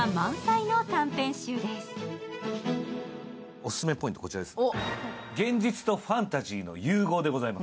オススメポイントはこちらです。